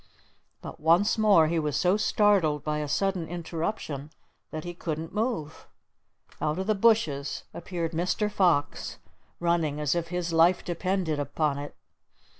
But once more he was so startled by a sudden interruption that he couldn't move. Out of the bushes appeared Mr. Fox, running as if his life depended upon it.